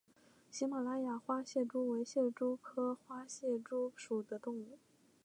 喜马拉雅花蟹蛛为蟹蛛科花蟹蛛属的动物。